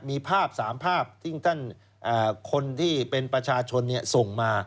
มีภาพ๓ภาพที่ท่านคนที่เป็นประชาชนส่งมา